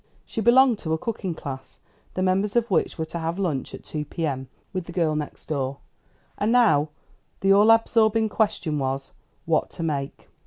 She belonged to a cooking class, the members of which were to have a lunch at two P. M. with the girl next door; and now the all absorbing question was, what to make.